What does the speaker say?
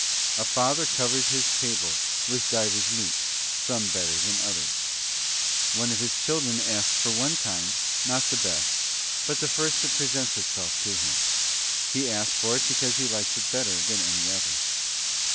A father covers his table with divers meats, some better than others. One of his children asks for one kind, not the best, but the first that presents itself to him: he asks for it because he likes it better than any other.